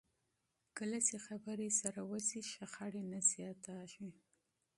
کله چې خبرې دوام وکړي، شخړې نه سختېږي.